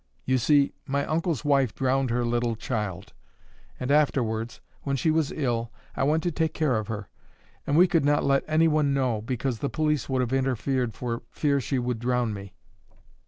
You see, my uncle's wife drowned her little child; and afterwards, when she was ill, I went to take care of her, and we could not let anyone know, because the police would have interfered for fear she would drown me.